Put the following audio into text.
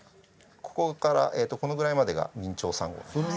ここからこのぐらいまでが明朝３号。